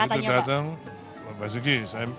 kata katanya pak basuki